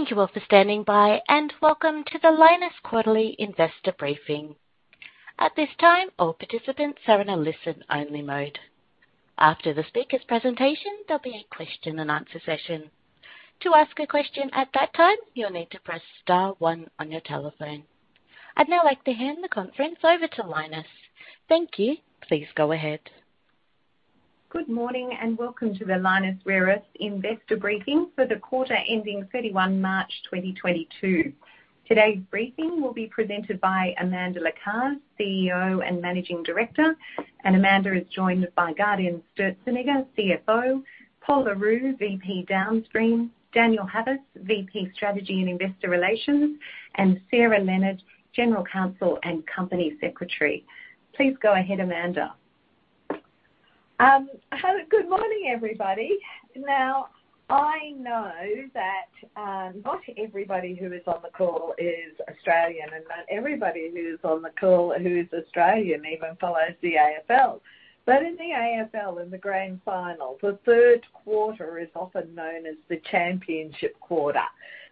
Thank you all for standing by, and welcome to the Lynas quarterly investor briefing. At this time, all participants are in a listen-only mode. After the speaker's presentation, there'll be a question-and-answer session. To ask a question at that time, you'll need to press star one on your telephone. I'd now like to hand the conference over to Lynas. Thank you. Please go ahead. Good morning and welcome to the Lynas Rare Earths investor briefing for the quarter ending 31 March 2022. Today's briefing will be presented by Amanda Lacaze, CEO and Managing Director. Amanda is joined by Gaudenz Sturzenegger, CFO, Pol Le Roux, VP Downstream, Daniel Havas, VP Strategy and Investor Relations, and Sarah Leonard, General Counsel and Company Secretary. Please go ahead, Amanda. Hello, good morning, everybody. Now, I know that not everybody who is on the call is Australian and not everybody who is on the call who is Australian even follows the AFL. But in the AFL, in the grand final, the third quarter is often known as the championship quarter.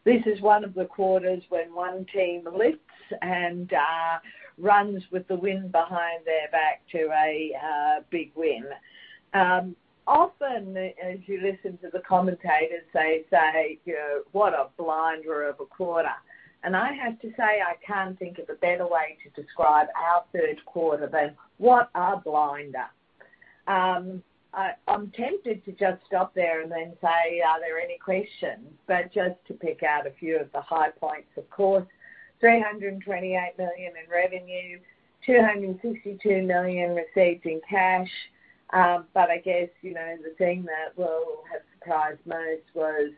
This is one of the quarters when one team leaps and runs with the wind behind their back to a big win. Often as you listen to the commentators, they say, you know, "What a blinder of a quarter." I have to say, I can't think of a better way to describe our third quarter than what a blinder. I'm tempted to just stop there and then say, "Are there any questions?" Just to pick out a few of the high points, of course, 328 million in revenue, 262 million received in cash. I guess, you know, the thing that will have surprised most was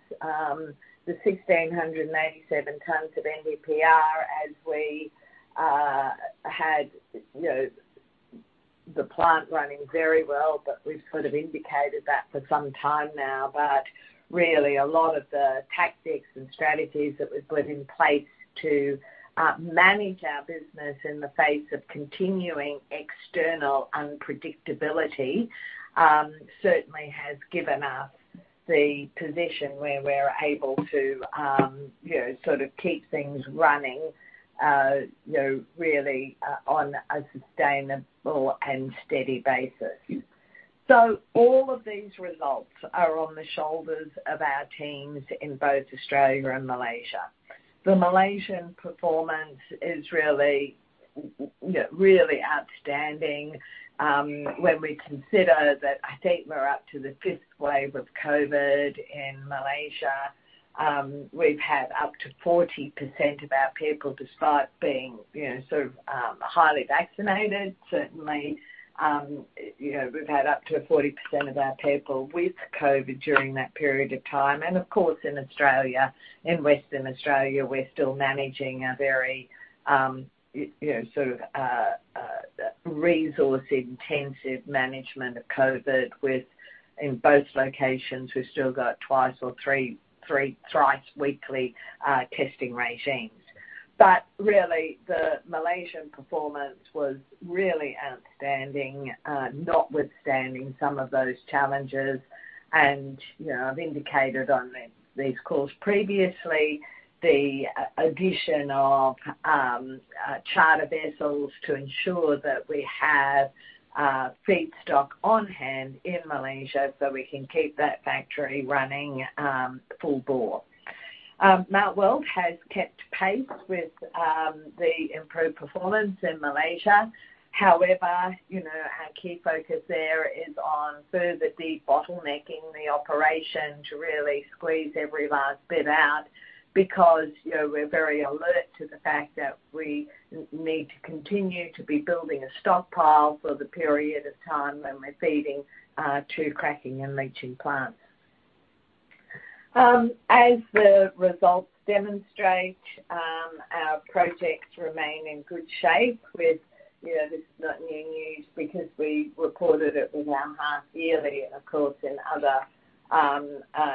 the 1,687 tons of NdPr as we had, you know, the plant running very well, but we've sort of indicated that for some time now. Really a lot of the tactics and strategies that we've put in place to manage our business in the face of continuing external unpredictability certainly has given us the position where we're able to, you know, sort of keep things running, you know, really on a sustainable and steady basis. All of these results are on the shoulders of our teams in both Australia and Malaysia. The Malaysian performance is really, you know, really outstanding, when we consider that I think we're up to the fifth wave of COVID in Malaysia. We've had up to 40% of our people despite being, you know, sort of, highly vaccinated, certainly. You know, we've had up to 40% of our people with COVID during that period of time. Of course, in Australia, in Western Australia, we're still managing a very, you know, sort of, resource-intensive management of COVID with, in both locations, we've still got twice or thrice weekly testing regimes. Really the Malaysian performance was really outstanding, notwithstanding some of those challenges. You know, I've indicated on these calls previously the addition of charter vessels to ensure that we have feedstock on hand in Malaysia so we can keep that factory running full bore. Mt Weld has kept pace with the improved performance in Malaysia. However, you know, our key focus there is on further de-bottlenecking the operation to really squeeze every last bit out because, you know, we're very alert to the fact that we need to continue to be building a stockpile for the period of time when we're feeding two cracking and leaching plants. As the results demonstrate, our projects remain in good shape with, you know, this is not new news because we reported it with our half yearly and of course, in other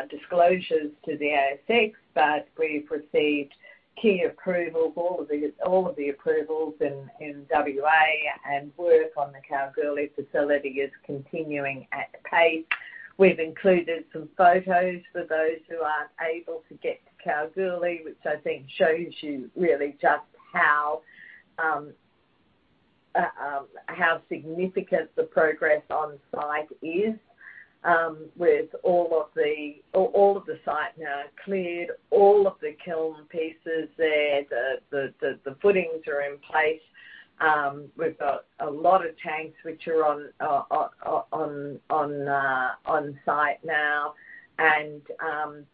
disclosures to the ASX. We've received key approval. All of the approvals in W.A. and work on the Kalgoorlie facility is continuing at pace. We've included some photos for those who aren't able to get to Kalgoorlie, which I think shows you really just how significant the progress on site is, with all of the site now cleared, all of the kiln pieces there. The footings are in place. We've got a lot of tanks which are on site now. The team on the ground,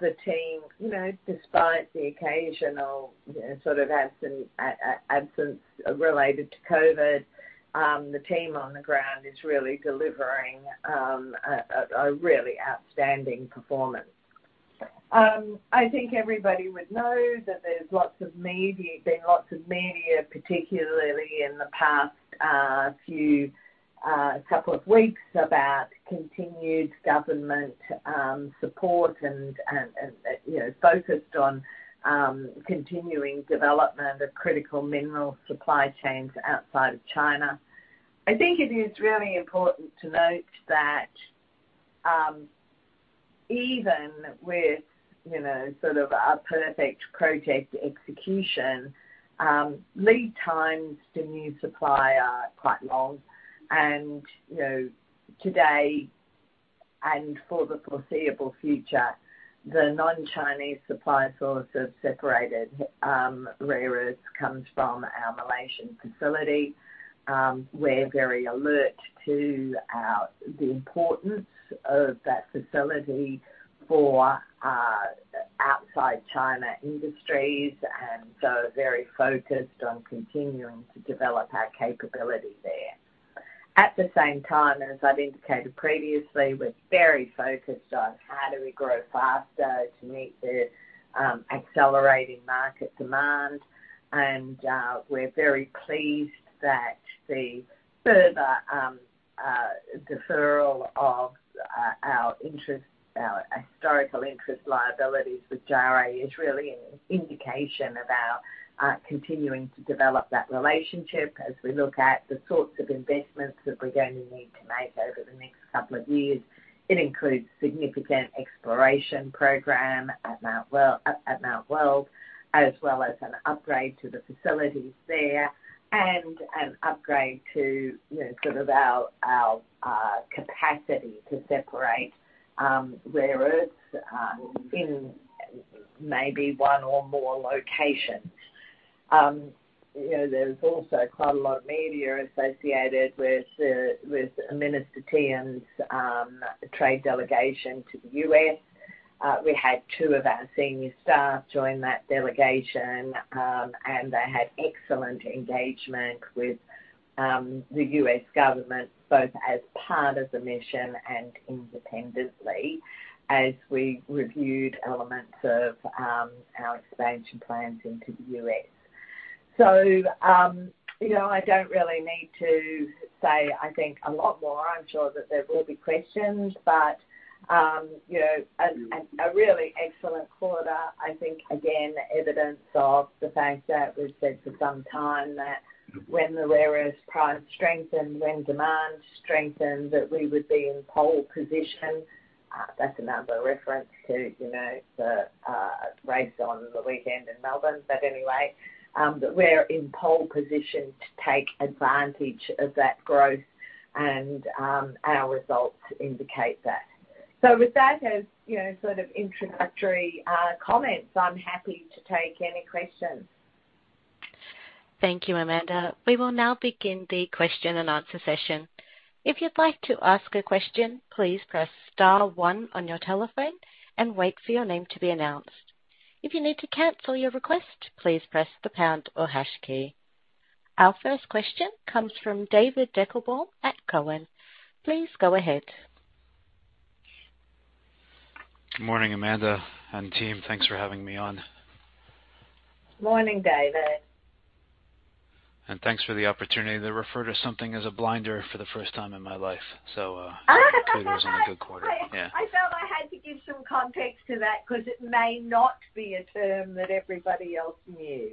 you know, despite the occasional sort of absence related to COVID, is really delivering a really outstanding performance. I think everybody would know that there's been lots of media, particularly in the past couple of weeks, about continued government support and, you know, focused on continuing development of critical mineral supply chains outside of China. I think it is really important to note that, even with, you know, sort of a perfect project execution, lead times to new supply are quite long. You know, today and for the foreseeable future, the non-Chinese supply source of separated rare earths comes from our Malaysian facility. We're very alert to the importance of that facility for outside China industries, and so very focused on continuing to develop our capability there. At the same time, as I've indicated previously, we're very focused on how do we grow faster to meet the accelerating market demand. We're very pleased that the further deferral of our interest, our historical interest liabilities with JARE is really an indication of our continuing to develop that relationship as we look at the sorts of investments that we're going to need to make over the next couple of years. It includes significant exploration program at Mount Weld, as well as an upgrade to the facilities there and an upgrade to, you know, sort of our capacity to separate rare earths in maybe one or more locations. You know, there's also quite a lot of media associated with Minister Tehan's trade delegation to the U.S. We had two of our senior staff join that delegation, and they had excellent engagement with the U.S. government, both as part of the mission and independently as we reviewed elements of our expansion plans into the U.S. You know, I don't really need to say I think a lot more. I'm sure that there will be questions, but you know, a really excellent quarter. I think, again, evidence of the fact that we've said for some time that when the rare earths price strengthened, when demand strengthened, that we would be in pole position. That's another reference to you know, the race on the weekend in Melbourne. Anyway, that we're in pole position to take advantage of that growth and our results indicate that. With that, as you know, sort of introductory comments, I'm happy to take any questions. Thank you, Amanda. We will now begin the question-and-answer session. If you'd like to ask a question, please press star one on your telephone and wait for your name to be announced. If you need to cancel your request, please press the pound or hash key. Our first question comes from David Deckelbaum at Cowen. Please go ahead. Morning, Amanda and team. Thanks for having me on. Morning, David. Thanks for the opportunity to refer to something as a blinder for the first time in my life. It clearly wasn't a good quarter. Yeah. I felt I had to give some context to that because it may not be a term that everybody else knew.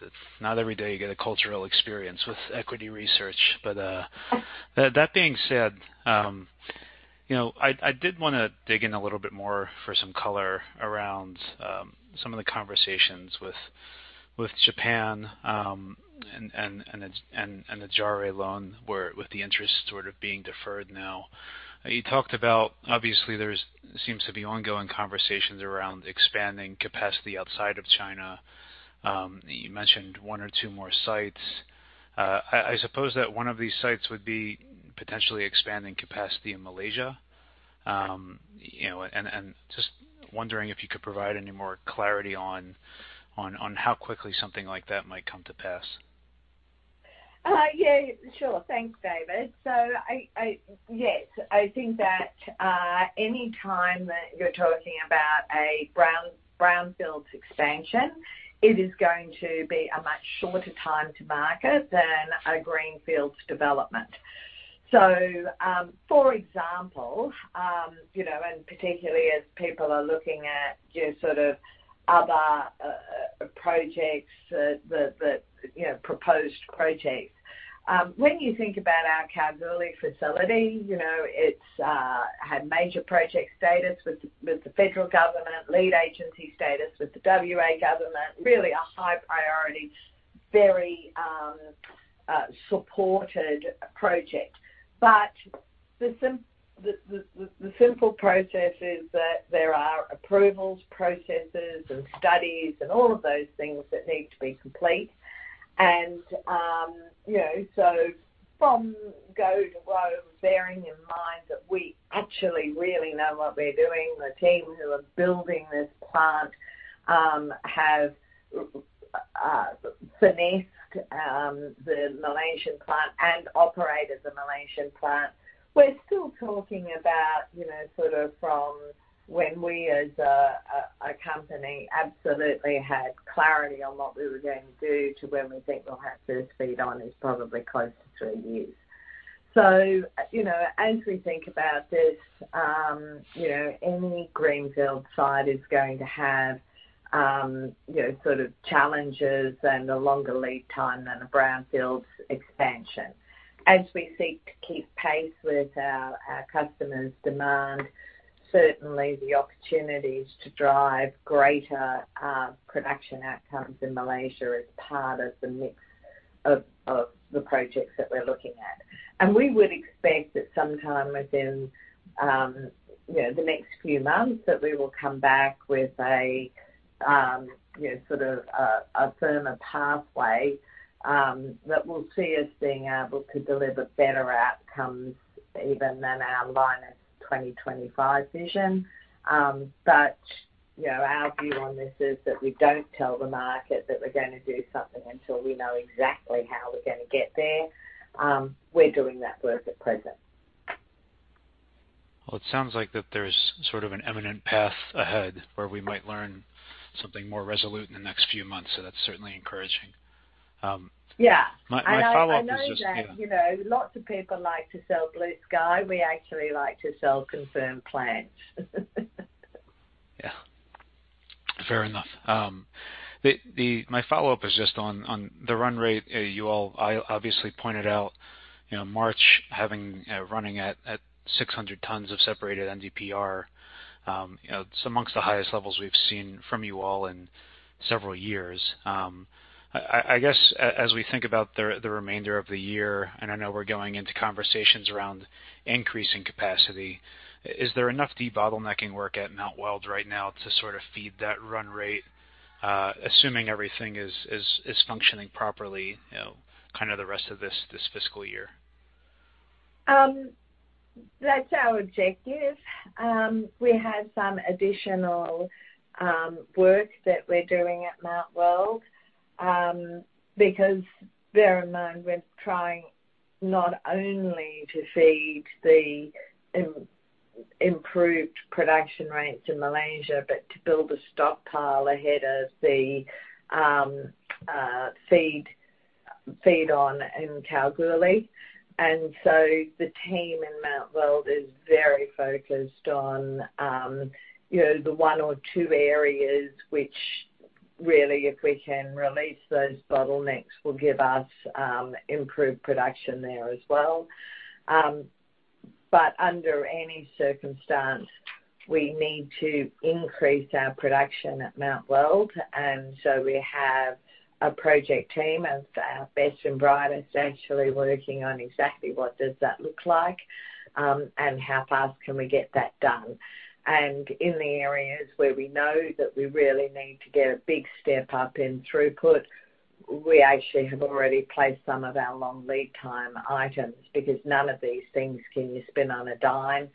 It's not every day you get a cultural experience with equity research. That being said, you know, I did wanna dig in a little bit more for some color around some of the conversations with Japan and the JARE loan, where the interest sort of being deferred now. You talked about, obviously there seems to be ongoing conversations around expanding capacity outside of China. You mentioned one or two more sites. I suppose that one of these sites would be potentially expanding capacity in Malaysia. You know, and just wondering if you could provide any more clarity on how quickly something like that might come to pass. Yeah, sure. Thanks, David. I think that any time that you're talking about a brownfields expansion, it is going to be a much shorter time to market than a greenfields development. For example, you know, and particularly as people are looking at, you know, sort of other proposed projects. When you think about our Kalgoorlie facility, you know, it's had major project status with the federal government, lead agency status with the W.A. government, really a high priority, very supported project. The simple process is that there are approvals processes and studies and all of those things that need to be complete. You know, from go to whoa, bearing in mind that we actually really know what we're doing, the team who are building this plant have finessed the Malaysian plant and operate the Malaysian plant. We're still talking about, you know, sort of from when we as a company absolutely had clarity on what we were going to do to when we think we'll have first feed on is probably close to three years. You know, as we think about this, you know, any greenfield site is going to have, you know, sort of challenges and a longer lead time than a brownfield expansion. As we seek to keep pace with our customers' demand, certainly the opportunities to drive greater production outcomes in Malaysia is part of the mix of the projects that we're looking at. We would expect that sometime within, you know, the next few months, that we will come back with a, you know, sort of a firmer pathway, that we'll see us being able to deliver better outcomes even than our Lynas 2025 vision. You know, our view on this is that we don't tell the market that we're gonna do something until we know exactly how we're gonna get there. We're doing that work at present. Well, it sounds like there's sort of an imminent path ahead where we might learn something more absolute in the next few months. That's certainly encouraging. Yeah. My follow-up is just- I know, I know that, you know, lots of people like to sell blue sky. We actually like to sell confirmed plans. Yeah. Fair enough. My follow-up is just on the run rate. You all, I obviously pointed out, you know, March having running at 600 tons of separated NdPr. You know, it's among the highest levels we've seen from you all in several years. I guess as we think about the remainder of the year, and I know we're going into conversations around increasing capacity, is there enough debottlenecking work at Mt Weld right now to sort of feed that run rate, assuming everything is functioning properly, you know, kind of the rest of this fiscal year? That's our objective. We have some additional work that we're doing at Mt Weld, because bear in mind, we're trying not only to feed the improved production rates in Malaysia, but to build a stockpile ahead of the feed on in Kalgoorlie. The team in Mt Weld is very focused on, you know, the one or two areas which really, if we can release those bottlenecks, will give us improved production there as well. Under any circumstance, we need to increase our production at Mt Weld. We have a project team of our best and brightest actually working on exactly what does that look like, and how fast can we get that done. In the areas where we know that we really need to get a big step up in throughput, we actually have already placed some of our long lead time items because none of these things can be spun on a dime.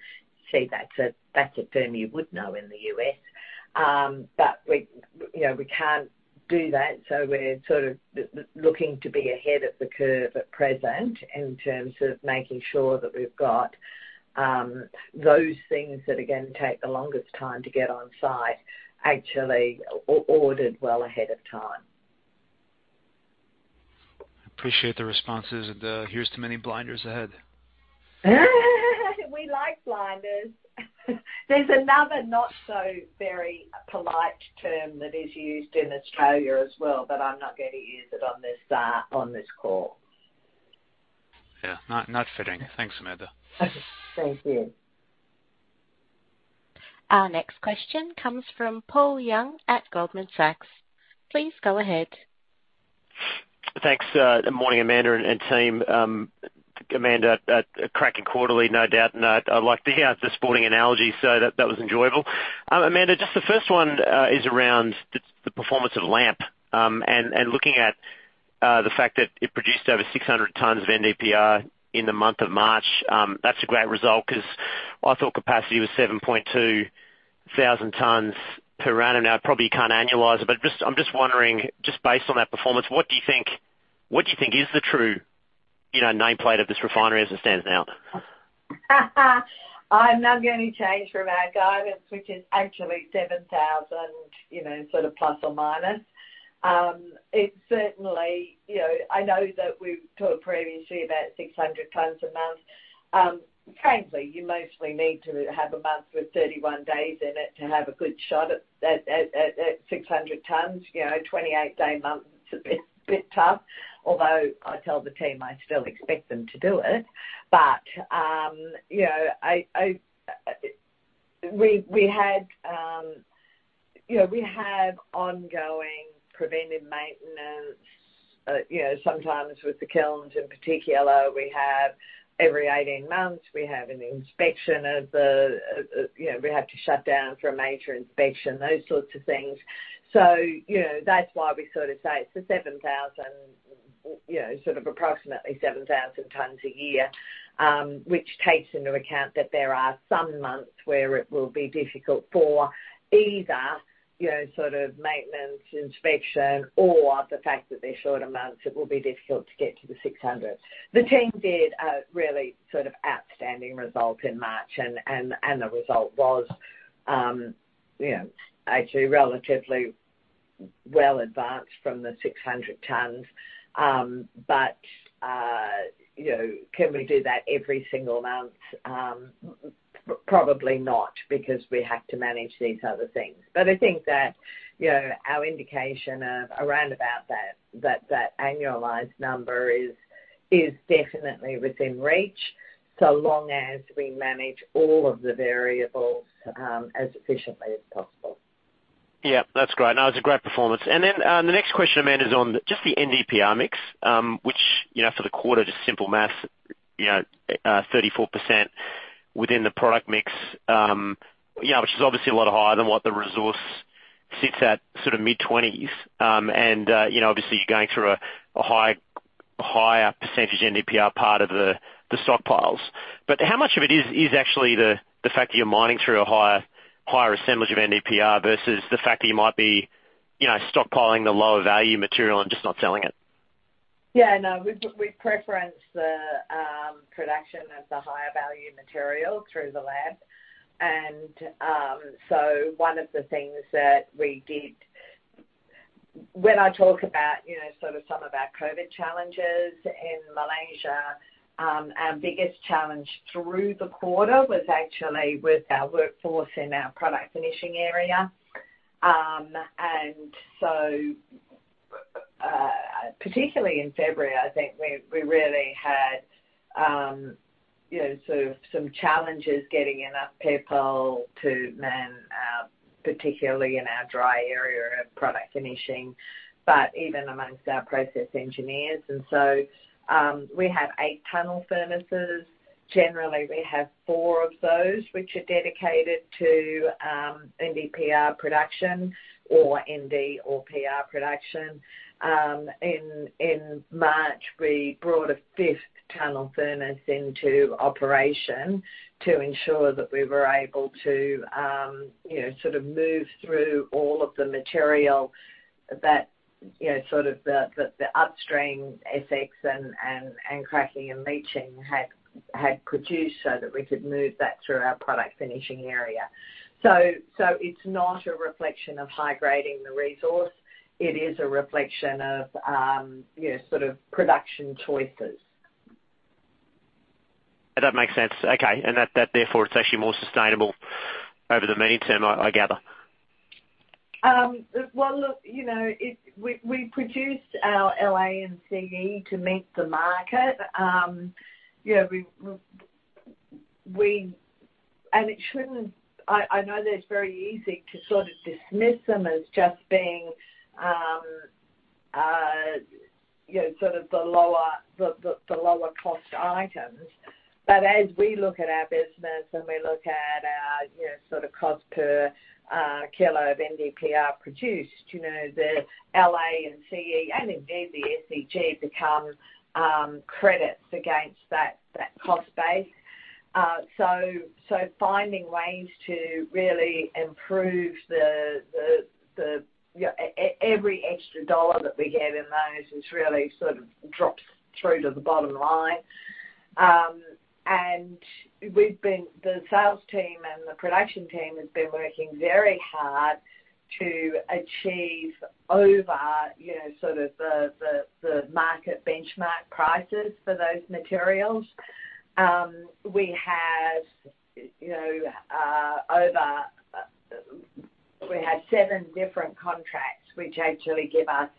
See, that's a term you would know in the U.S. We, you know, we can't do that, so we're sort of looking to be ahead of the curve at present in terms of making sure that we've got those things that are gonna take the longest time to get on site actually ordered well ahead of time. Appreciate the responses. Here's to many blinders ahead. We like blinders. There's another not so very polite term that is used in Australia as well, but I'm not gonna use it on this call. Yeah. Not fitting. Thanks, Amanda. Thank you. Our next question comes from Paul Young at Goldman Sachs. Please go ahead. Thanks. Good morning, Amanda and team. Amanda, a cracking quarterly, no doubt. I like the sporting analogy, so that was enjoyable. Amanda, just the first one is around the performance of LAMP. Looking at the fact that it produced over 600 tons of NdPr in the month of March. That's a great result 'cause I thought capacity was 7,200 tons per annum. Now, probably you can't annualize it, but just I'm just wondering, just based on that performance, what do you think is the true, you know, nameplate of this refinery as it stands now? I'm not gonna change from our guidance, which is actually 7,000, you know, sort of ±. It's certainly. You know, I know that we've talked previously about 600 tons a month. Frankly, you mostly need to have a month with 31 days in it to have a good shot at 600 tons. You know, 28-day months are a bit tough. Although I tell the team I still expect them to do it. You know, I. We have ongoing preventive maintenance, you know, sometimes with the kilns in particular, every 18 months we have an inspection of the, you know, we have to shut down for a major inspection, those sorts of things. You know, that's why we sort of say it's approximately 7,000 tons a year, which takes into account that there are some months where it will be difficult for either, you know, sort of maintenance, inspection or the fact that they're shorter months. It will be difficult to get to the 600. The team did a really sort of outstanding result in March, and the result was, you know, actually relatively well advanced from the 600 tons. You know, can we do that every single month? Probably not, because we have to manage these other things. I think that, you know, our indication of around about that annualized number is definitely within reach, so long as we manage all of the variables as efficiently as possible. Yeah, that's great. No, it's a great performance. The next question, Amanda, is on just the NdPr mix, which, you know, for the quarter, just simple math, you know, 34% within the product mix, you know, which is obviously a lot higher than what the resource sits at, sort of mid-20s. You know, obviously, you're going through a higher percentage NdPr part of the stockpiles. How much of it is actually the fact that you're mining through a higher assemblage of NdPr versus the fact that you might be, you know, stockpiling the lower value material and just not selling it? Yeah, no. We prefer the production of the higher value material through the lab. One of the things that we did when I talk about you know sort of some of our COVID challenges in Malaysia, our biggest challenge through the quarter was actually with our workforce in our product finishing area. Particularly in February, I think we really had you know sort of some challenges getting enough people to man, particularly in our dry area of product finishing, but even amongst our process engineers. We have eight tunnel furnaces. Generally, we have four of those which are dedicated to NdPr production or Nd or Pr production. In March, we brought a fifth tunnel furnace into operation to ensure that we were able to, you know, sort of move through all of the material that, you know, sort of the upstream SX and cracking and leaching had produced so that we could move that through our product finishing area. It's not a reflection of high-grading the resource. It is a reflection of, you know, sort of production choices. That makes sense. Okay. That therefore it's actually more sustainable over the midterm, I gather. Well, look, you know, we produced our La and Ce to meet the market. You know, I know that it's very easy to sort of dismiss them as just being, you know, sort of the lower cost items. As we look at our business and we look at our, you know, sort of cost per kilo of NdPr produced, you know, the La and Ce, and indeed the SEG become credits against that cost base. Finding ways to really improve the, you know, every extra dollar that we get in those has really sort of dropped through to the bottom line. The sales team and the production team has been working very hard to achieve over market benchmark prices for those materials. We have seven different contracts which actually give us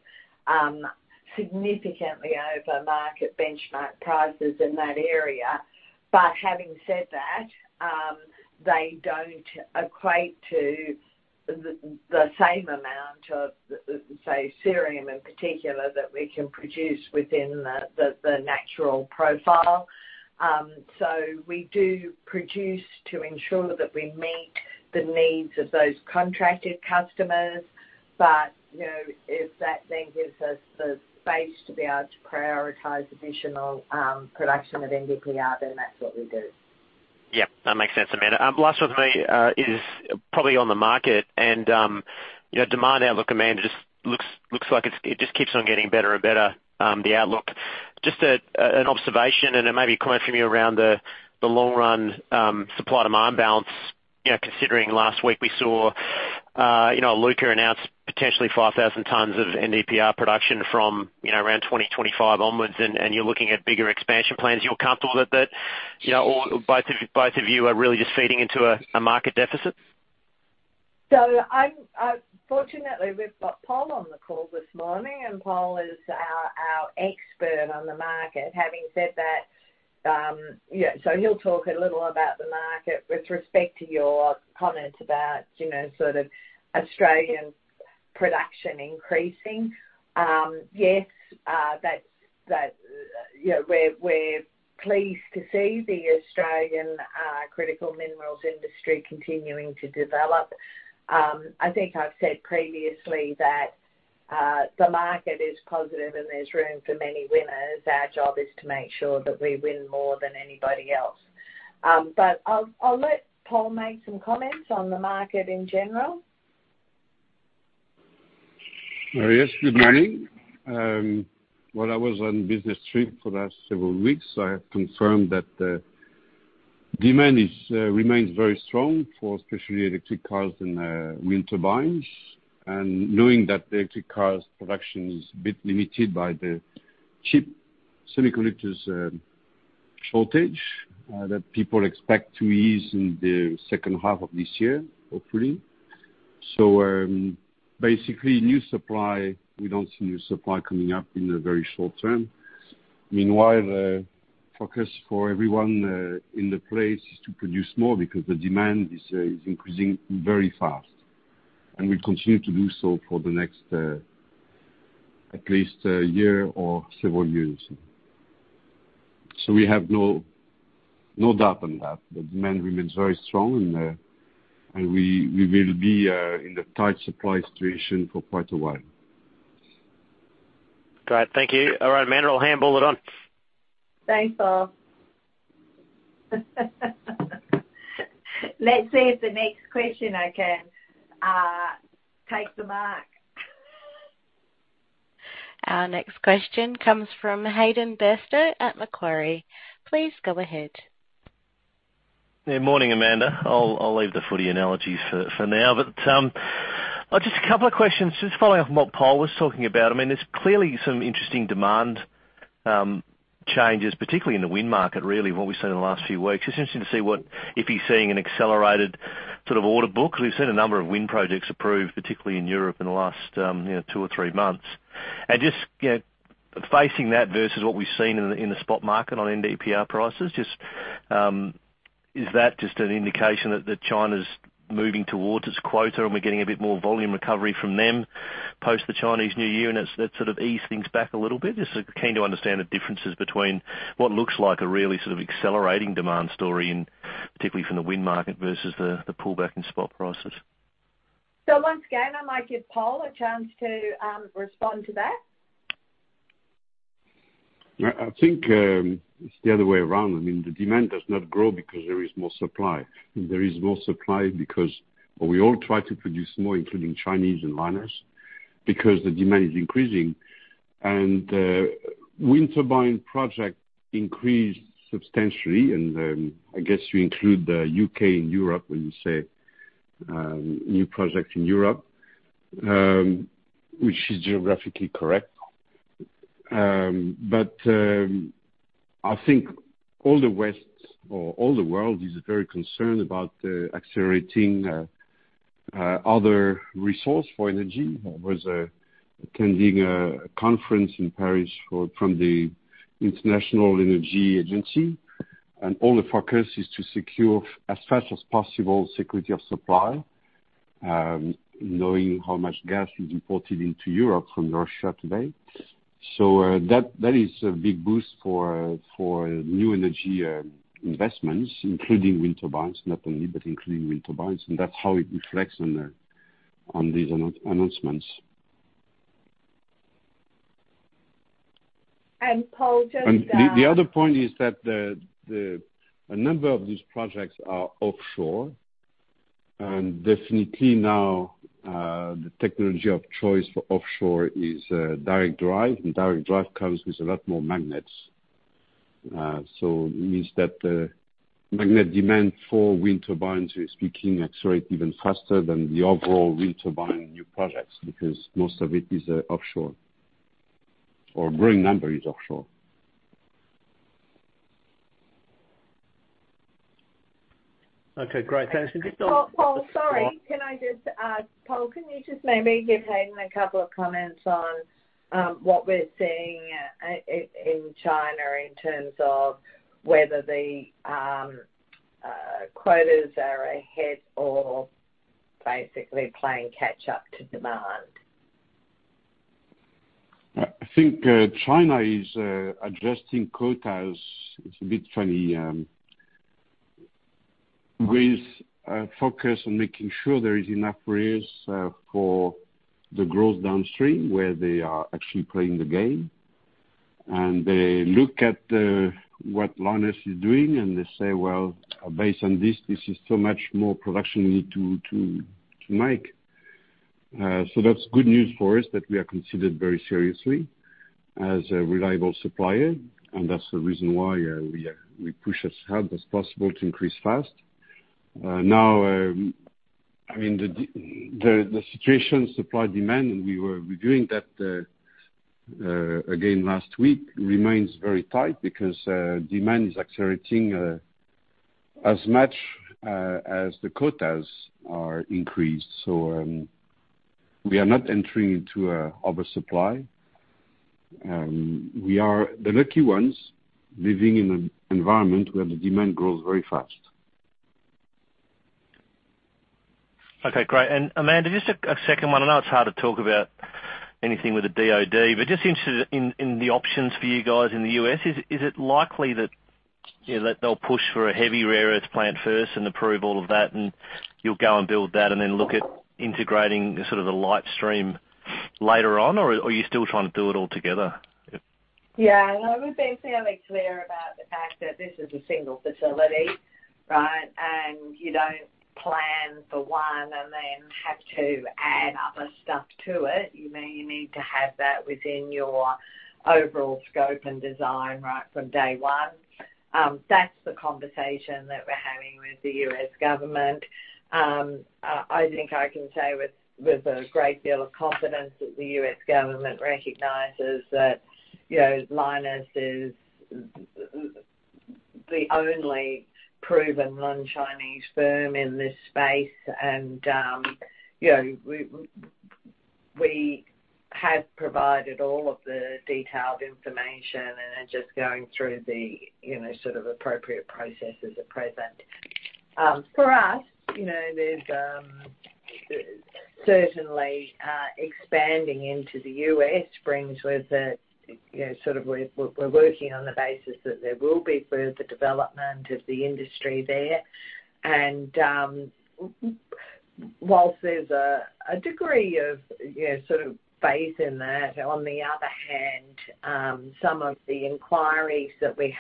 significantly over market benchmark prices in that area. Having said that, they don't equate to the same amount of, say, Cerium in particular that we can produce within the natural profile. We do produce to ensure that we meet the needs of those contracted customers. If that then gives us the space to be able to prioritize additional production of NdPr, then that's what we do. Yeah, that makes sense, Amanda. Last with me is probably on the market and, you know, demand outlook, Amanda, just looks like it's, it just keeps on getting better and better, the outlook. Just an observation, and it may be a comment from you around the long run supply-demand balance, you know, considering last week we saw, you know, Iluka announce potentially 5,000 tons of NdPr production from, you know, around 2025 onwards, and you're looking at bigger expansion plans. You're comfortable that, you know, or both of you are really just feeding into a market deficit? I'm fortunately we've got Pol on the call this morning, and Pol is our expert on the market. Having said that, he'll talk a little about the market with respect to your comment about, you know, sort of Australian production increasing. That's you know, we're pleased to see the Australian critical minerals industry continuing to develop. I think I've said previously that the market is positive and there's room for many winners. Our job is to make sure that we win more than anybody else. I'll let Pol make some comments on the market in general. Oh, yes. Good morning. Well, I was on business trip for the last several weeks. I have confirmed that the demand remains very strong for especially electric cars and wind turbines, and knowing that the electric cars production is a bit limited by the chip semiconductors shortage that people expect to ease in the second half of this year, hopefully. Basically new supply, we don't see new supply coming up in the very short term. Meanwhile, the focus for everyone in the space is to produce more because the demand is increasing very fast, and will continue to do so for the next at least a year or several years. We have no doubt on that demand remains very strong and we will be in the tight supply situation for quite a while. Great. Thank you. All right, Amanda, I'll handball it on. Thanks, Pol. Let's see if the next question I can take the mark. Our next question comes from Hayden Bairstow at Macquarie. Please go ahead. Yeah, morning, Amanda. I'll leave the footy analogies for now. Just a couple of questions, just following up on what Pol was talking about. I mean, there's clearly some interesting demand changes, particularly in the wind market, really, what we've seen in the last few weeks. Just interesting to see what if he's seeing an accelerated sort of order book. We've seen a number of wind projects approved, particularly in Europe in the last, you know, two or three months. Just, you know, facing that versus what we've seen in the spot market on NdPr prices, just is that just an indication that China's moving towards its quota, and we're getting a bit more volume recovery from them post the Chinese New Year, and it's that sort of eased things back a little bit? Just keen to understand the differences between what looks like a really sort of accelerating demand story in, particularly from the wind market versus the pullback in spot prices. Once again, I might give Pol a chance to respond to that. I think it's the other way around. I mean, the demand does not grow because there is more supply. There is more supply because we all try to produce more, including Chinese and Lynas, because the demand is increasing. Wind turbine projects increased substantially, and I guess you include the U.K. and Europe when you say new projects in Europe, which is geographically correct. I think all the West or all the world is very concerned about accelerating alternative resources for energy. I was attending a conference in Paris from the International Energy Agency, and all the focus is to secure, as fast as possible, security of supply, knowing how much gas is imported into Europe from Russia today. That is a big boost for new energy investments, including wind turbines, not only, but including wind turbines, and that's how it reflects on these announcements. Pol, just The other point is that a number of these projects are offshore and definitely now the technology of choice for offshore is direct drive, and direct drive comes with a lot more magnets. It means that the magnet demand for wind turbines is picking accelerate even faster than the overall wind turbine new projects, because most of it is offshore or growing number is offshore. Okay, great. Thanks. Just on- Pol, sorry. Can I just, Pol, can you just maybe give Hayden a couple of comments on what we're seeing in China in terms of whether the quotas are ahead or basically playing catch up to demand? I think China is adjusting quotas. It's a bit funny, with focus on making sure there is enough rare earths, for the growth downstream where they are actually playing the game. They look at what Lynas is doing and they say, "Well, based on this is so much more production we need to make." So that's good news for us that we are considered very seriously as a reliable supplier, and that's the reason why we push as hard as possible to increase fast. Now, I mean, the supply-demand situation and we were reviewing that again last week remains very tight because demand is accelerating as much as the quotas are increased. We are not entering into an oversupply. We are the lucky ones living in an environment where the demand grows very fast. Okay, great. Amanda, just a second one. I know it's hard to talk about anything with the DoD, but just interested in the options for you guys in the U.S. Is it likely that, you know, they'll push for a heavy rare earths plant first and approve all of that and you'll go and build that and then look at integrating sort of the light stream later on? Or are you still trying to do it all together? Yeah. No, we've been fairly clear about the fact that this is a single facility, right? You don't plan for one and then have to add other stuff to it. You know, you need to have that within your overall scope and design right from day one. That's the conversation that we're having with the U.S. government. I think I can say with a great deal of confidence that the U.S. government recognizes that, you know, Lynas is the only proven non-Chinese firm in this space. We have provided all of the detailed information and are just going through the, you know, sort of appropriate processes at present. For us, you know, there's certainly expanding into the U.S. brings with it, you know, sort of we're working on the basis that there will be further development of the industry there. While there's a degree of, you know, sort of faith in that. On the other hand, some of the inquiries that we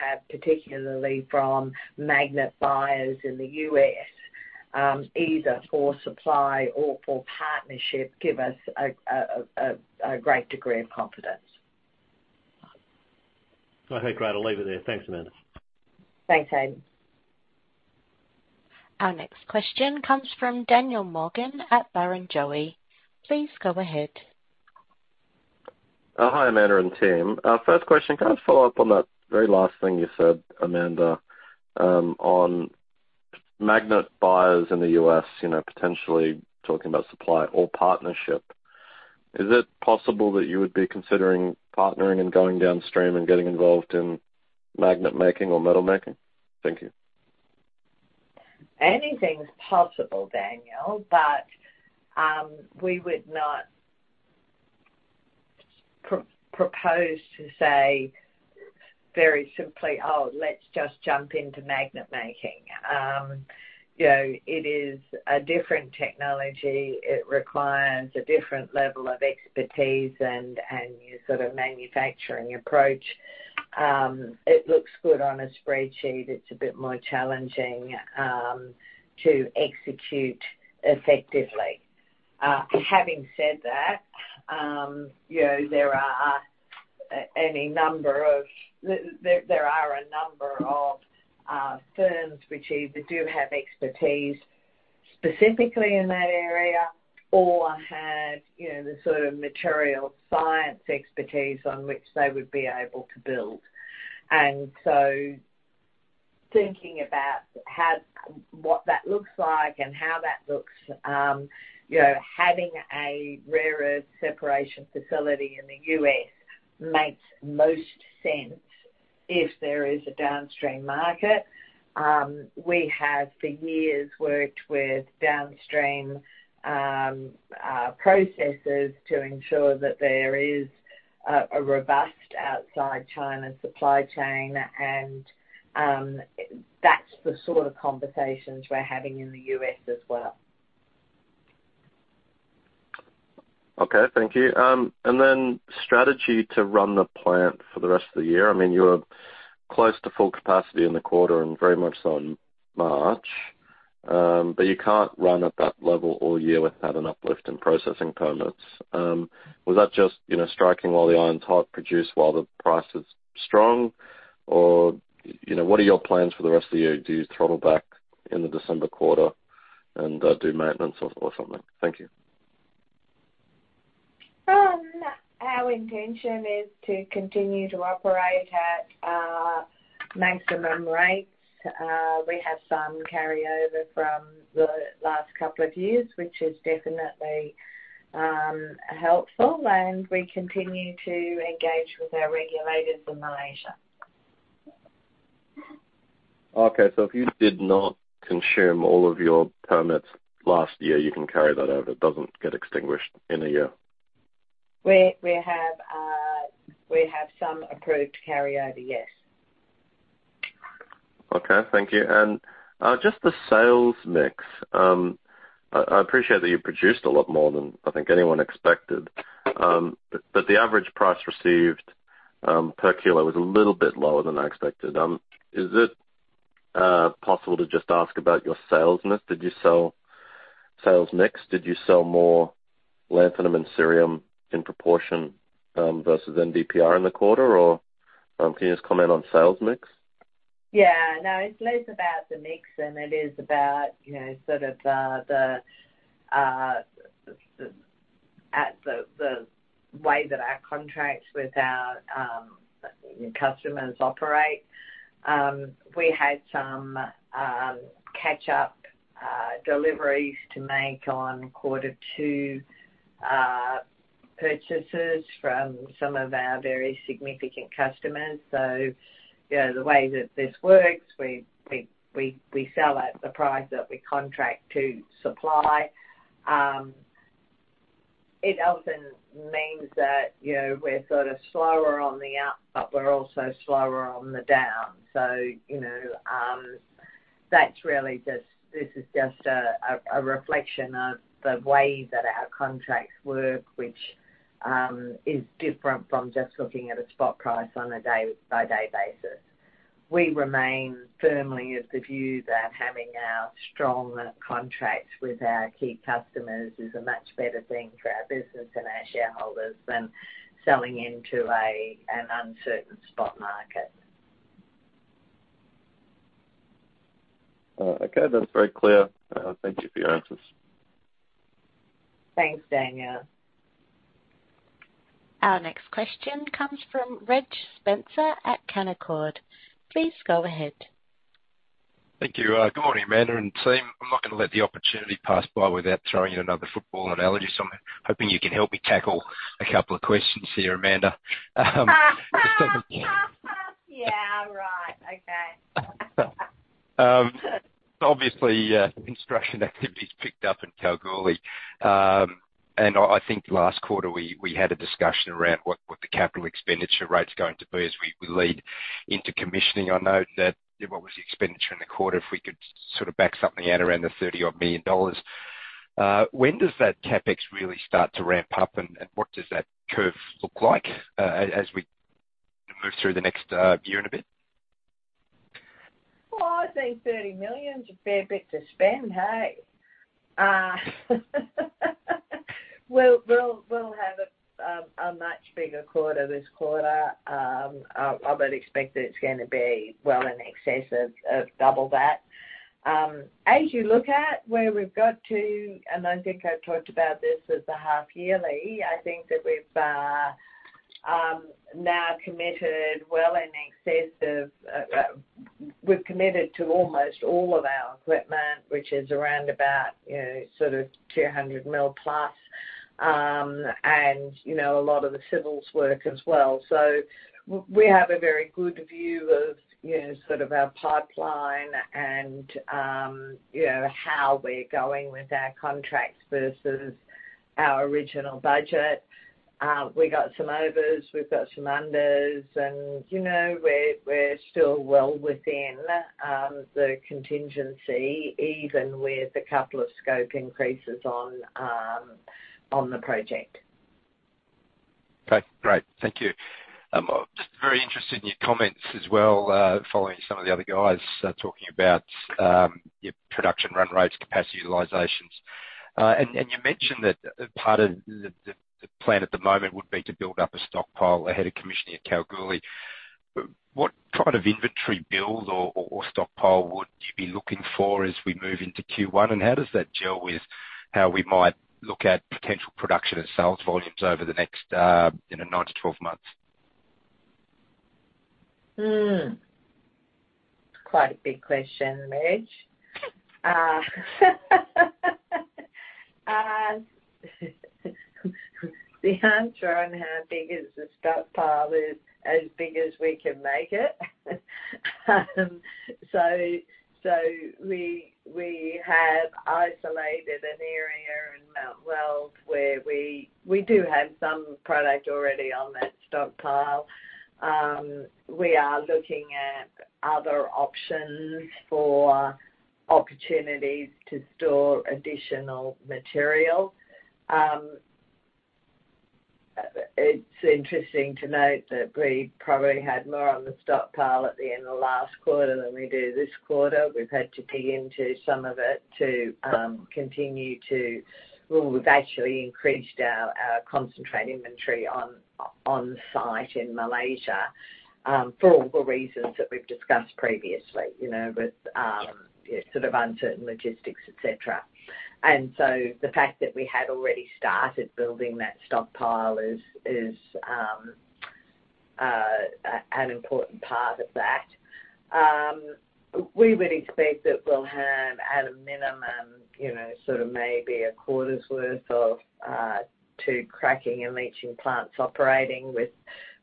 have, particularly from magnet buyers in the U.S., either for supply or for partnership, give us a great degree of confidence. Okay, great. I'll leave it there. Thanks, Amanda. Thanks, Hayden. Our next question comes from Daniel Morgan at Barrenjoey. Please go ahead. Hi, Amanda and team. First question, can I just follow up on that very last thing you said, Amanda, on magnet buyers in the U.S., you know, potentially talking about supply or partnership. Is it possible that you would be considering partnering and going downstream and getting involved in magnet making or metal making? Thank you. Anything's possible, Daniel, but we would not propose to say very simply, "Oh, let's just jump into magnet making." You know, it is a different technology. It requires a different level of expertise and your sort of manufacturing approach. It looks good on a spreadsheet. It's a bit more challenging to execute effectively. Having said that, you know, there are a number of firms which either do have expertise specifically in that area or have, you know, the sort of material science expertise on which they would be able to build. Thinking about how what that looks like and how that looks, you know, having a rare earth separation facility in the U.S. makes most sense if there is a downstream market. We have for years worked with downstream processors to ensure that there is a robust outside China supply chain and that's the sort of conversations we're having in the U.S. as well. Okay. Thank you. Strategy to run the plant for the rest of the year. I mean, you're close to full capacity in the quarter and very much so in March. But you can't run at that level all year without an uplift in processing permits. Was that just, you know, striking while the iron's hot, produce while the price is strong or, you know, what are your plans for the rest of the year? Do you throttle back in the December quarter and do maintenance or something? Thank you. Our intention is to continue to operate at maximum rates. We have some carryover from the last couple of years, which is definitely helpful, and we continue to engage with our regulators in Malaysia. Okay. If you did not consume all of your permits last year, you can carry that over. It doesn't get extinguished in a year. We have some approved carryover, yes. Okay. Thank you. Just the sales mix. I appreciate that you produced a lot more than I think anyone expected. The average price received per kilo was a little bit lower than I expected. Is it possible to just ask about your sales mix? Did you sell more Lanthanum and Cerium in proportion versus NdPr in the quarter or can you just comment on sales mix? Yeah. No, it's less about the mix than it is about, you know, sort of the way that our contracts with our customers operate. We had some catch-up deliveries to make on quarter two purchases from some of our very significant customers. You know, the way that this works, we sell at the price that we contract to supply. It often means that, you know, we're sort of slower on the up, but we're also slower on the down. You know, this is just a reflection of the way that our contracts work, which is different from just looking at a spot price on a day-by-day basis. We remain firmly of the view that having our strong contracts with our key customers is a much better thing for our business and our shareholders than selling into an uncertain spot market. Okay. That's very clear. Thank you for your answers. Thanks, Daniel. Our next question comes from Reg Spencer at Canaccord. Please go ahead. Thank you. Good morning, Amanda and team. I'm not gonna let the opportunity pass by without throwing you another football analogy, so I'm hoping you can help me tackle a couple of questions here, Amanda. Yeah, right. Okay. Obviously, construction activity's picked up in Kalgoorlie. I think last quarter we had a discussion around what the capital expenditure rate's going to be as we lead into commissioning. I know that. What was the expenditure in the quarter, if we could sort of back something out around the 30-odd million dollars. When does that CapEx really start to ramp up, and what does that curve look like as we move through the next year and a bit? Well, I think 30 million is a fair bit to spend, hey. We'll have a much bigger quarter this quarter. I would expect that it's gonna be well in excess of double that. As you look at where we've got to, and I think I've talked about this at the half yearly, I think that we've now committed well in excess of, we've committed to almost all of our equipment, which is around about, you know, sort of 200+ million, and you know, a lot of the civils work as well. We have a very good view of, you know, sort of our pipeline and, you know, how we're going with our contracts versus our original budget. We got some overs, we've got some unders and, you know, we're still well within the contingency, even with a couple of scope increases on the project. Okay, great. Thank you. Just very interested in your comments as well, following some of the other guys talking about your production run rates, capacity utilizations. You mentioned that part of the plan at the moment would be to build up a stockpile ahead of commissioning at Kalgoorlie. What kind of inventory build or stockpile would you be looking for as we move into Q1, and how does that gel with how we might look at potential production and sales volumes over the next, you know, nine-12 months? Quite a big question, Reg. The answer on how big is the stockpile is as big as we can make it. We have isolated an area in Mt Weld where we do have some product already on that stockpile. We are looking at other options for opportunities to store additional material. It's interesting to note that we probably had more on the stockpile at the end of last quarter than we do this quarter. We've had to key into some of it to continue to. Well, we've actually increased our concentrate inventory on site in Malaysia for the reasons that we've discussed previously. You know, with sort of uncertain logistics, et cetera. The fact that we had already started building that stockpile is an important part of that. We would expect that we'll have, at a minimum, you know, sort of maybe a quarter's worth of two cracking and leaching plants operating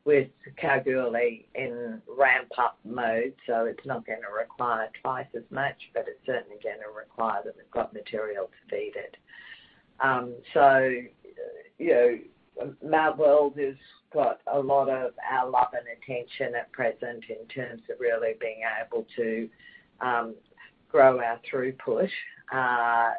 with Kalgoorlie in ramp-up mode. It's not gonna require twice as much, but it's certainly gonna require that we've got material to feed it. You know, Mt Weld has got a lot of our love and attention at present in terms of really being able to grow our throughput. And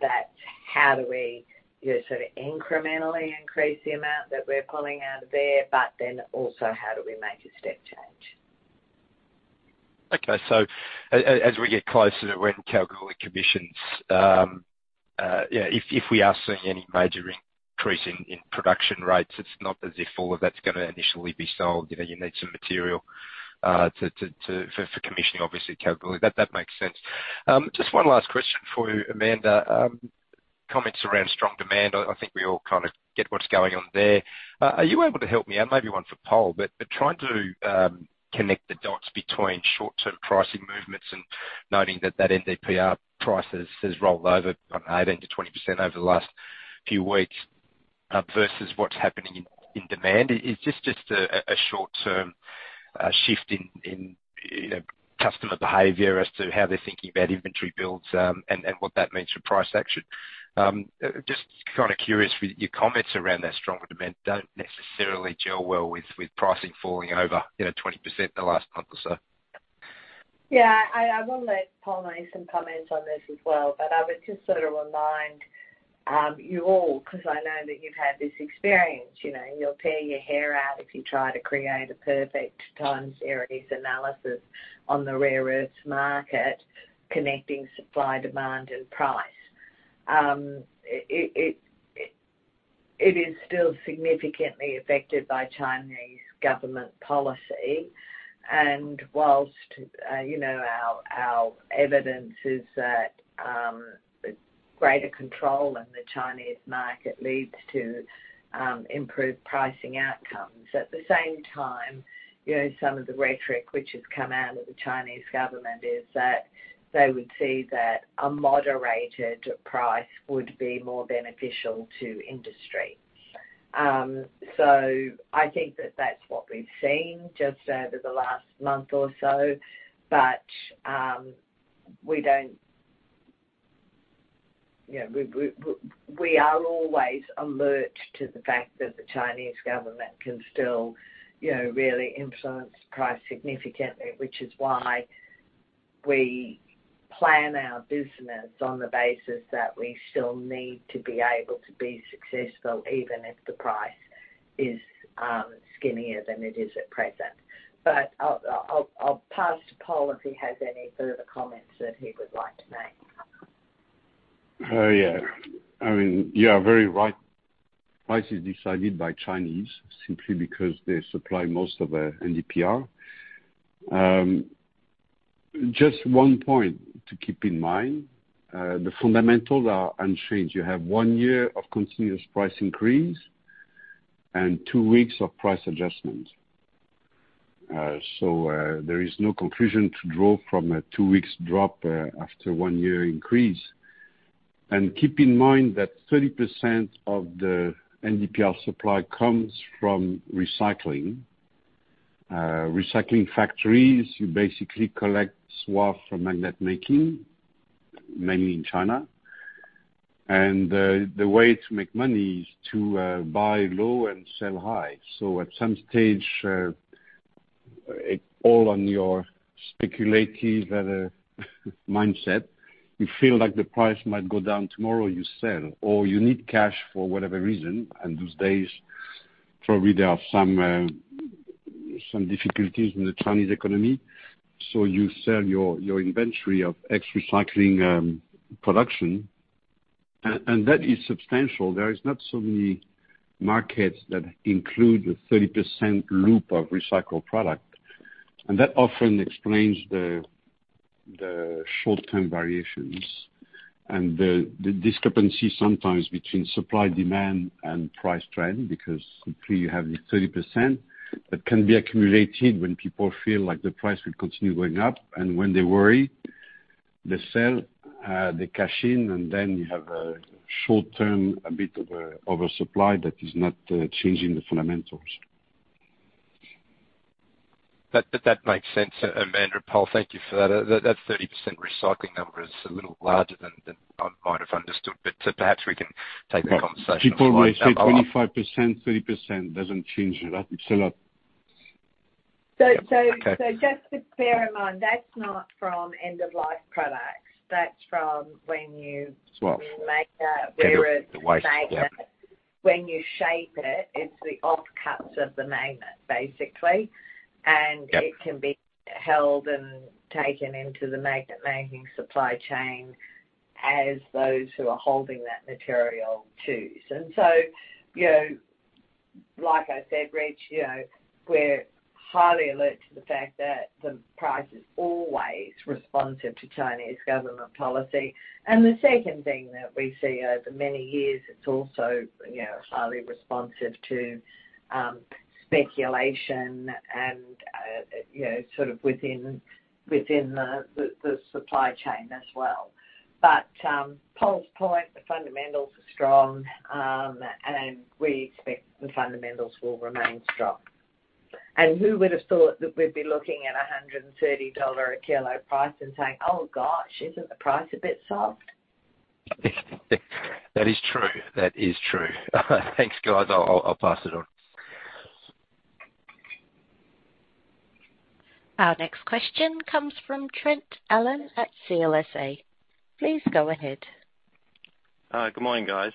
that's how do we, you know, sort of incrementally increase the amount that we're pulling out of there, but then also how do we make a step change? Okay. As we get closer to when Kalgoorlie commissions, you know, if we are seeing any major increase in production rates, it's not as if all of that's gonna initially be sold. You know, you need some material to for commissioning, obviously, Kalgoorlie. That makes sense. Just one last question for you, Amanda. Comments around strong demand, I think we all kind of get what's going on there. Are you able to help me, and maybe one for Pol, but trying to connect the dots between short-term pricing movements and noting that that NdPr price has rolled over, I don't know, 18%-20% over the last few weeks, versus what's happening in demand. Is this just a short-term shift in you know customer behavior as to how they're thinking about inventory builds, and what that means for price action? Just kind of curious with your comments around that stronger demand don't necessarily gel well with pricing falling over you know 20% in the last month or so. Yeah, I will let Pol make some comments on this as well, but I would just sort of remind you all, 'cause I know that you've had this experience, you know, you'll tear your hair out if you try to create a perfect time series analysis on the rare earths market connecting supply, demand and price. It is still significantly affected by Chinese government policy. While you know, our evidence is that greater control in the Chinese market leads to improved pricing outcomes. At the same time, you know, some of the rhetoric which has come out of the Chinese government is that they would see that a moderated price would be more beneficial to industry. I think that that's what we've seen just over the last month or so. We don't You know, we are always alert to the fact that the Chinese government can still, you know, really influence price significantly, which is why we plan our business on the basis that we still need to be able to be successful, even if the price is skinnier than it is at present. But I'll pass to Pol if he has any further comments that he would like to make. Oh, yeah. I mean, you are very right. Price is decided by Chinese simply because they supply most of the NdPr. Just one point to keep in mind, the fundamentals are unchanged. You have one year of continuous price increase and two weeks of price adjustment. There is no conclusion to draw from a two weeks drop after one year increase. Keep in mind that 30% of the NdPr supply comes from recycling. Recycling factories, you basically collect scrap from magnet making, mainly in China. The way to make money is to buy low and sell high. At some stage, it's all in your speculative mindset, you feel like the price might go down tomorrow, you sell or you need cash for whatever reason. These days, probably there are some difficulties in the Chinese economy, so you sell your inventory of ex-recycling production. That is substantial. There is not so many markets that include the 30% loop of recycled product. That often explains the short-term variations and the discrepancy sometimes between supply, demand, and price trend, because simply you have this 30% that can be accumulated when people feel like the price will continue going up, and when they worry, they sell, they cash in, and then you have a short term, a bit of a supply that is not changing the fundamentals. That makes sense. Amanda, Pol, thank you for that. That 30% recycling number is a little larger than I might have understood, but perhaps we can take the conversation offline. People may say 25%, 30%. Doesn't change a lot. It's still a So, so- Okay. Just to bear in mind, that's not from end of life products. That's from when you Swath ...when you make a- The waste. Yep. When you shape it's the offcuts of the magnet, basically. Yep. It can be held and taken into the magnet making supply chain as those who are holding that material too. You know, like I said, Reg, you know, we're highly alert to the fact that the price is always responsive to Chinese government policy. The second thing that we see over many years, it's also, you know, highly responsive to speculation and, you know, sort of within the supply chain as well. Pol's point, the fundamentals are strong, and we expect the fundamentals will remain strong. Who would have thought that we'd be looking at a $130 a kilo price and saying, "Oh, gosh, isn't the price a bit soft? That is true. Thanks, guys. I'll pass it on. Our next question comes from Trent Allen at CLSA. Please go ahead. Good morning, guys.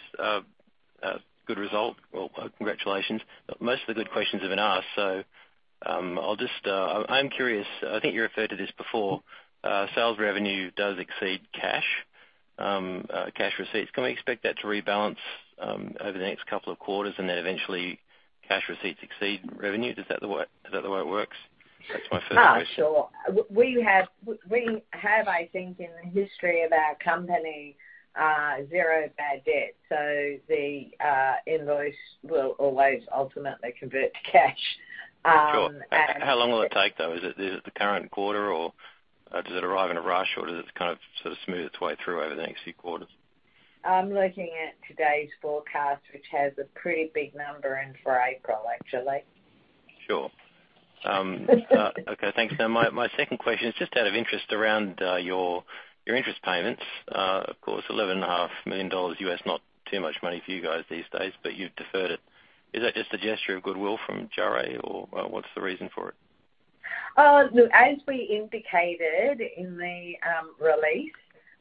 Good result. Well, congratulations. Most of the good questions have been asked, so I'll just. I'm curious, I think you referred to this before, sales revenue does exceed cash receipts. Can we expect that to rebalance over the next couple of quarters, and then eventually cash receipts exceed revenue? Is that the way it works? That's my first question. Oh, sure. We have, I think, in the history of our company, zero bad debt, so the invoice will always ultimately convert to cash. And- Sure. How long will it take, though? Is it the current quarter or, does it arrive in a rush or does it kind of sort of smooth its way through over the next few quarters? I'm looking at today's forecast, which has a pretty big number in for April, actually. Sure. Okay. Thanks. Now, my second question is just out of interest around your interest payments. Of course, $11.5 million, not too much money for you guys these days, but you've deferred it. Is that just a gesture of goodwill from JARE or what's the reason for it? Look, as we indicated in the release,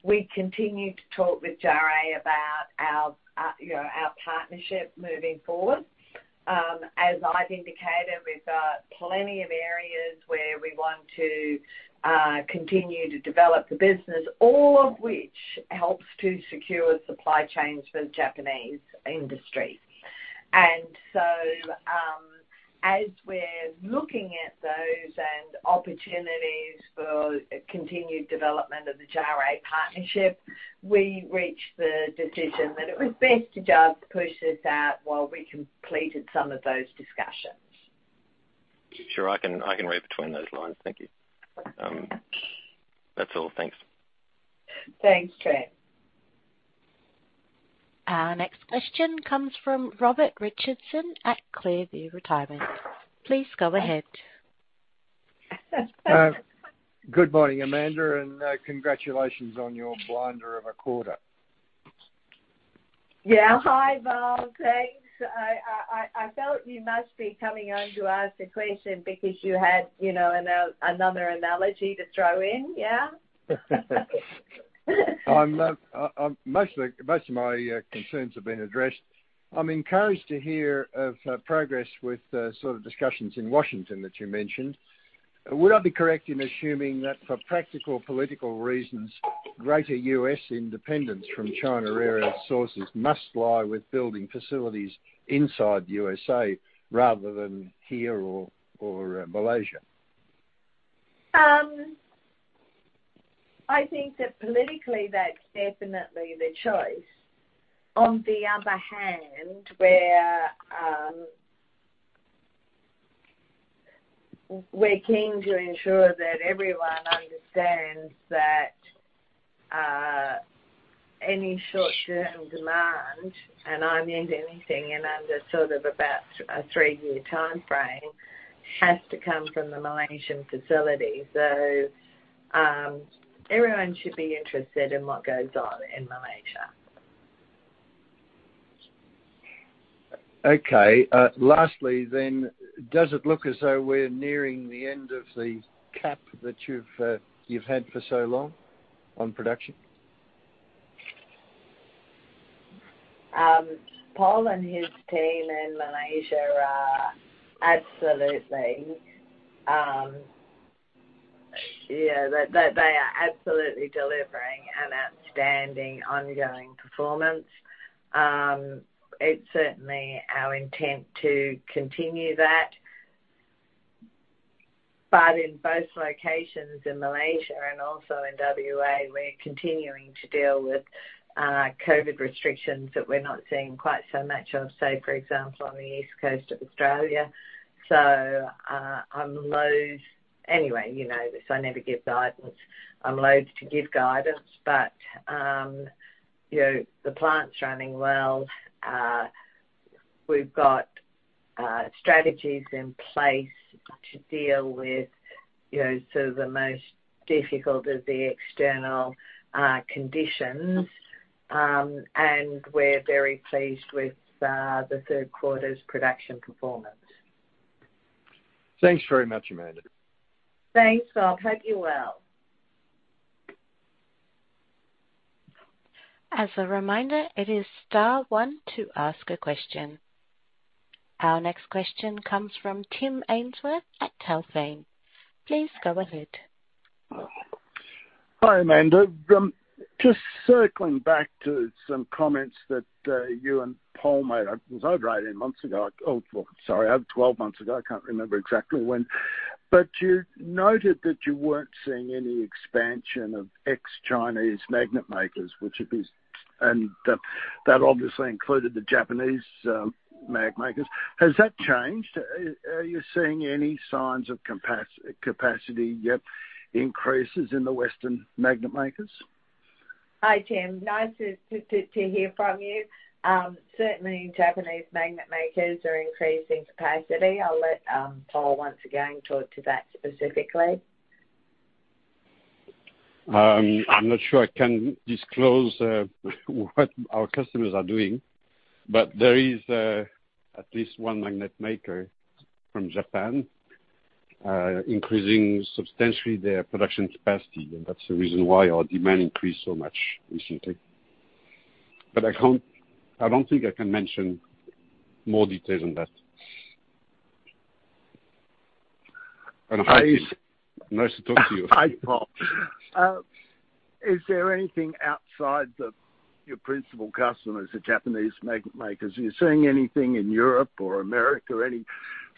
we continue to talk with JARE about our you know, our partnership moving forward. As I've indicated, we've got plenty of areas where we want to continue to develop the business, all of which helps to secure supply chains for the Japanese industry. As we're looking at those and opportunities for continued development of the JARE partnership, we reached the decision that it was best to just push this out while we completed some of those discussions. Sure, I can read between those lines. Thank you. That's all. Thanks. Thanks, Trent. Our next question comes from Robert Richardson at Clearview Retirement. Please go ahead. Good morning, Amanda, and congratulations on your blinder of a quarter. Yeah. Hi, Bob. Thanks. I felt you must be coming on to ask a question because you had, you know, another analogy to throw in, yeah? Most of my concerns have been addressed. I'm encouraged to hear of progress with the sort of discussions in Washington that you mentioned. Would I be correct in assuming that for practical political reasons, greater U.S. independence from China? Rare earth sources must lie with building facilities inside USA rather than here or Malaysia? I think that politically that's definitely the choice. On the other hand, we're keen to ensure that everyone understands that any short-term demand, and I mean anything in under sort of about a three-year timeframe, has to come from the Malaysian facility. Everyone should be interested in what goes on in Malaysia. Okay. Lastly then, does it look as though we're nearing the end of the cap that you've had for so long on production? Pol and his team in Malaysia are absolutely delivering an outstanding ongoing performance. It's certainly our intent to continue that. In both locations in Malaysia and also in W.A., we're continuing to deal with COVID restrictions that we're not seeing quite so much of, say, for example, on the east coast of Australia. Anyway, you know this, I never give guidance. I'm loath to give guidance, but you know, the plant's running well. We've got strategies in place to deal with, you know, sort of the most difficult of the external conditions. We're very pleased with the third quarter's production performance. Thanks very much, Amanda. Thanks, Bob. Hope you're well. As a reminder, it is star one to ask a question. Our next question comes from Tim Ainsworth at Telthame. Please go ahead. Hi, Amanda. Just circling back to some comments that you and Pol made, it was over 18 months ago. Sorry, over 12 months ago. I can't remember exactly when. You noted that you weren't seeing any expansion of ex-Chinese magnet makers, which would be, that obviously included the Japanese mag makers. Has that changed? Are you seeing any signs of capacity increases in the Western magnet makers? Hi, Tim. Nice to hear from you. Certainly Japanese magnet makers are increasing capacity. I'll let Pol once again talk to that specifically. I'm not sure I can disclose what our customers are doing, but there is at least one magnet maker from Japan increasing substantially their production capacity, and that's the reason why our demand increased so much recently. I don't think I can mention more detail than that. Hi, Tim. Nice to talk to you. Hi, Pol. Is there anything outside of your principal customers, the Japanese mag makers? Are you seeing anything in Europe or America or any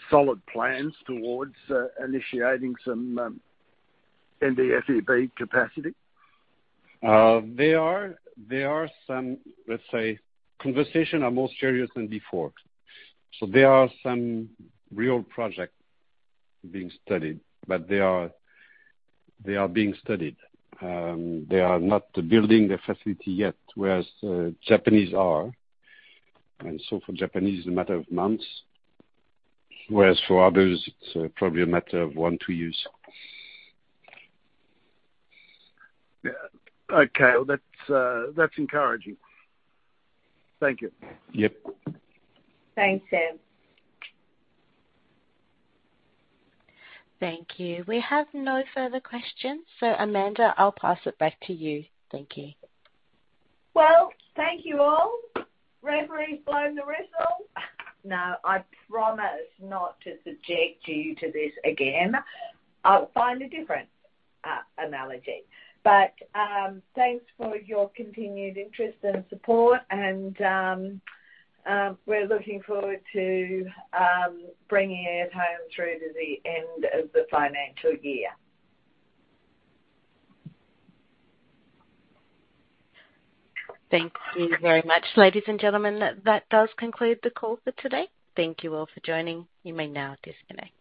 solid plans towards initiating some NdFeB capacity? There are some conversations that are more serious than before. There are some real projects being studied, but they are being studied. They are not building the facility yet, whereas the Japanese are. For the Japanese, it's a matter of months, whereas for others it's probably a matter of one to two years. Yeah. Okay. Well, that's encouraging. Thank you. Yep. Thanks, Tim. Thank you. We have no further questions. Amanda, I'll pass it back to you. Thank you. Well, thank you, all. Referee's blown the whistle. Now, I promise not to subject you to this again. I'll find a different analogy. Thanks for your continued interest and support and we're looking forward to bringing it home through to the end of the financial year. Thanks very much. Ladies and gentlemen, that does conclude the call for today. Thank you all for joining. You may now disconnect.